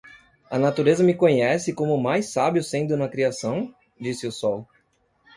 "A natureza me conhece como o mais sábio sendo na criação?", disse o sol.